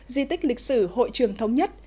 di tích lịch sử hội trường thống nhất